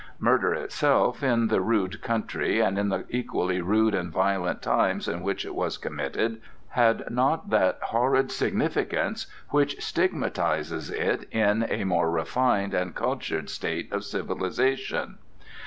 Murder itself, in the rude country and in the equally rude and violent times in which it was committed, had not that horrid significance which stigmatizes it in a more refined and cultured state of civilization.